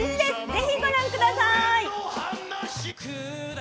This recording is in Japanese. ぜひご覧ください。